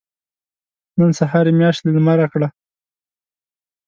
نن سهار يې مياشت له لمره کړه.